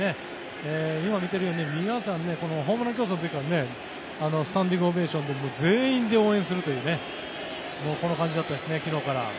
今、見ているように皆さん、ホームラン競争の時はスタンディングオベーションで全員で応援するという昨日からこんな感じでしたね。